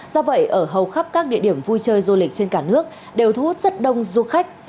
do vậy ở hầu khắp các địa điểm vui chơi du lịch trên cả nước đều thu hút rất đông du khách